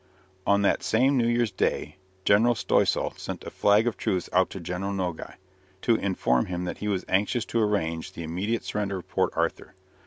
On that same New Year's Day General Stoessel sent a flag of truce out to General Nogi, to inform him that he was anxious to arrange the immediate surrender of Port Arthur.